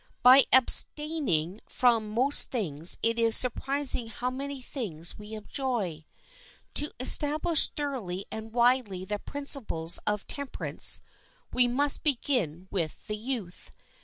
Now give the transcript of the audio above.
By abstaining from most things it is surprising how many things we enjoy. To establish thoroughly and widely the principles of temperance we must begin with the youth.